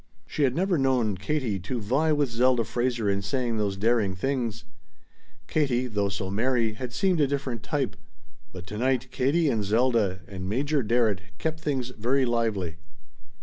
She had never known Katie to vie with Zelda Fraser in saying those daring things. Katie, though so merry, had seemed a different type. But to night Katie and Zelda and Major Darrett kept things very lively.